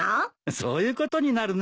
そういうことになるねえ。